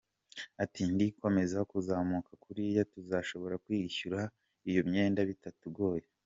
Ati “Nidukomeza kuzamuka kuriya, tuzashobora kwishyura iyo myenda bitatugoye.